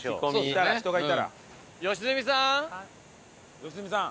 良純さん！